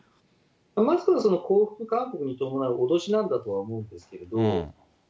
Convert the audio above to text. まずはその降伏関係に伴う脅しなんだと思いますけれども。